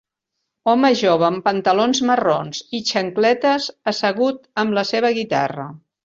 Home jove amb pantalons marrons i xancletes assegut amb la seva guitarra.